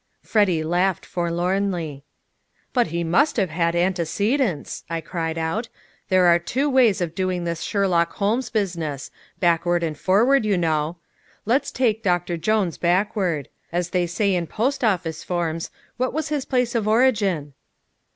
Freddy laughed forlornly. "But he must have had antecedents," I cried out. "There are two ways of doing this Sherlock Holmes business backward and forward, you know. Let's take Doctor Jones backward. As they say in post office forms? what was his place of origin?"